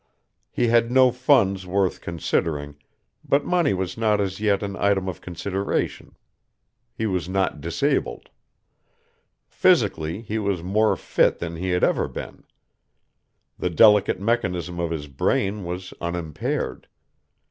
He had no funds worth considering, but money was not as yet an item of consideration. He was not disabled. Physically he was more fit than he had ever been. The delicate mechanism of his brain was unimpaired.